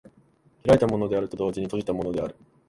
開いたものであると同時に閉じたものである。